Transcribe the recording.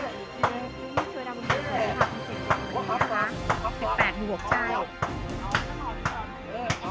บ่อยกินคุณดาลัดดาเสร็จแล้วค่ะ